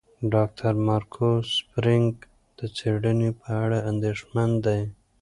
ډاکټر مارکو سپرینګ د څېړنې په اړه اندېښمن دی.